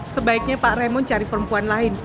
sebaiknya pak remon cari perempuan lain